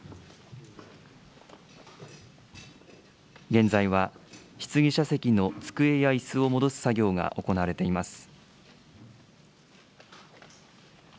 現在は質疑者席の机やいすを戻す作業が行われています。